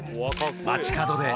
街角で］